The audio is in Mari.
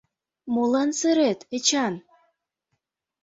Молан сырет, Эчан?